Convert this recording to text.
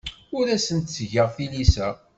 Ur asent-ttgeɣ tilisa.